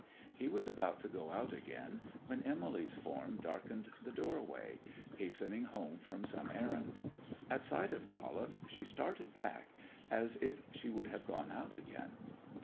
He was about to go out again, when Emily's form darkened the doorway, hastening home from some errand. At sight of Jolliffe she started back as if she would have gone out again.